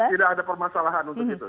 tidak ada permasalahan untuk itu